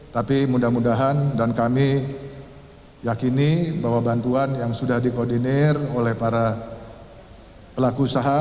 tapi mudah mudahan dan kami yakini bahwa bantuan yang sudah dikoordinir oleh para pelaku usaha